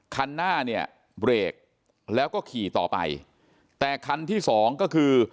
คันหน้าเนี่ยเบรกแล้วก็ขี่ต่อไปแต่คันที่สองก็คือ